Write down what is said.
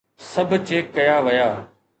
سڀ چيڪ ڪيا ويا